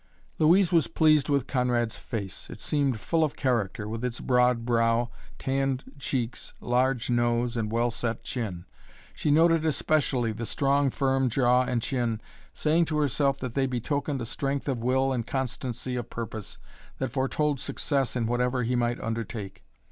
Louise was pleased with Conrad's face. It seemed full of character, with its broad brow, tanned cheeks, large nose, and well set chin. She noted especially the strong, firm jaw and chin, saying to herself that they betokened a strength of will and constancy of purpose that foretold success in whatever he might undertake.